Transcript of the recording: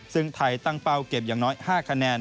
ซึ่งไทยตั้งเป้าเก็บอย่างน้อย๕คะแนน